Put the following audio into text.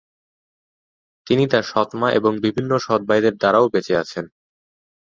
তিনি তার সৎমা এবং বিভিন্ন সৎভাইদের দ্বারাও বেঁচে আছেন।